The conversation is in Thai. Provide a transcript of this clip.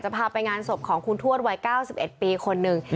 พาไปงานศพของคุณทวดวัย๙๑ปีคนหนึ่ง